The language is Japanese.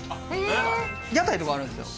屋台とかあるんですよ。